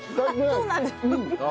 そうなんです。